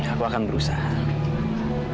aku akan berusaha